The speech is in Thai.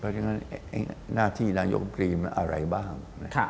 หน้าที่นางยกรมนตรีมันอะไรบ้าง